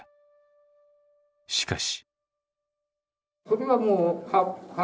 しかし。